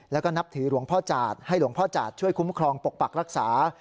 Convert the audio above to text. แล้วก็นับถือหลวงพ่อจาดให้หลวงพ่อจาดช่วยคุ้มครองปกปักรักษา